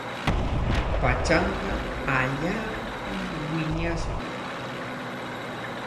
Pachanqa allaapami wiñashqa.